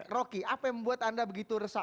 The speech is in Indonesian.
rocky apa yang membuat anda begitu resah